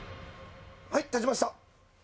はい立ちました。